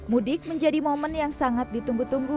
mudik menjadi momen yang sangat ditunggu tunggu